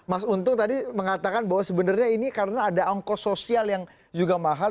mas untung tadi mengatakan bahwa sebenarnya ini karena ada ongkos sosial yang juga mahal